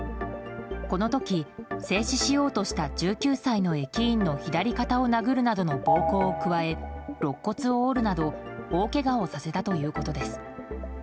この時、制止しようとした１９歳の駅員の左肩を殴るなどの暴行を加えろっ骨を折るなど大けがをさせたということです。